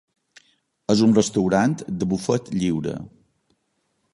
És un restaurant de bufet lliure.